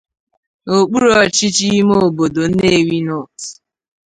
n'okpuru ọchịchị ime obodo Nnewi North.